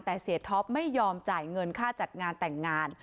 แต่เสียท็อปไม่ยอมจ่ายเงินค่าจัดงานแต่งงาน